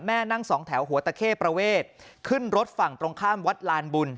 นั่งสองแถวหัวตะเข้ประเวทขึ้นรถฝั่งตรงข้ามวัดลานบุญ